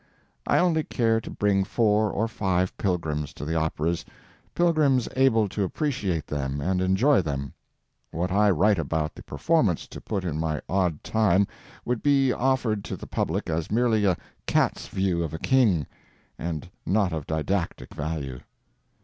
I only care to bring four or five pilgrims to the operas, pilgrims able to appreciate them and enjoy them. What I write about the performance to put in my odd time would be offered to the public as merely a cat's view of a king, and not of didactic value.